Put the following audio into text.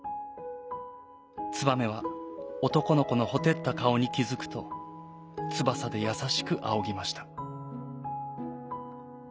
ツバメはおとこのこのほてったかおにきづくとつばさでやさしくあおぎました。